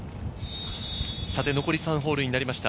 残り３ホールになりました。